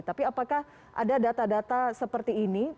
tapi apakah ada data data seperti ini